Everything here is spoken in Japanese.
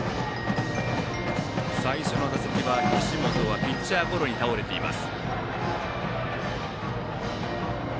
最初の打席、岸本はピッチャーゴロに倒れています。